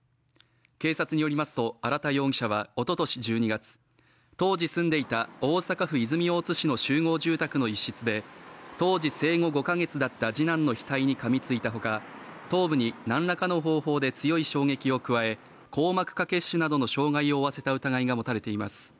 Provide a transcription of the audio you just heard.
警察によりますと荒田容疑者はおととし１２月当時住んでいた大阪府泉大津市の集合住宅の一室で当時生後５か月だった次男の額にかみついたほか頭部になんらかの方法で強い衝撃を加え硬膜下血腫などの傷害を負わせた疑いが持たれています